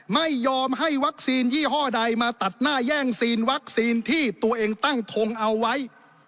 ไม่ยอมให้วัคซีนยี่ห้อใดมาตัดหน้าแย่งซีนวัคซีนที่ตัวเองตั้งทงเอาไว้